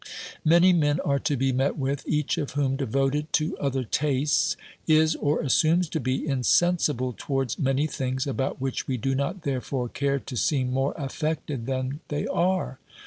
Many men are to be met with, each of whom, devoted to other tastes, is, or assumes to be, insensible towards many things about which we do not therefore care to seem more affected than they are.